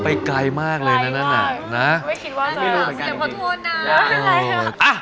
ไปไกลมากเลยนะนั้นน่ะ